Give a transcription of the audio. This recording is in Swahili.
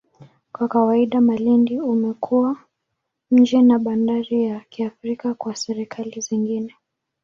Kwa kawaida, Malindi umekuwa mji na bandari ya kirafiki kwa serikali zingine.